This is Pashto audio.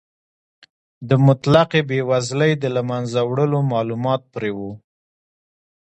د مطلقې بې وزلۍ د له منځه وړلو مالومات پرې و.